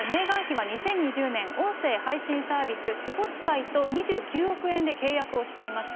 ２０２０年、音声配信サービス、スポティファイと２９億円で契約をしていました。